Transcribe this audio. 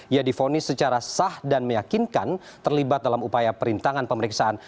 ia difonis secara sah dan meyakinkan terlibat dalam upaya perintangan pemeriksaan